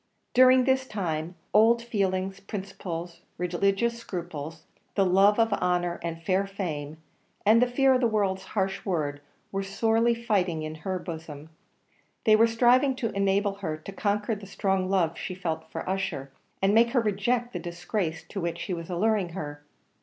During this time, old feelings, principles, religious scruples, the love of honour and fair fame, and the fear of the world's harsh word, were sorely fighting in her bosom; they were striving to enable her to conquer the strong love she felt for Ussher, and make her reject the disgrace to which he was alluring her.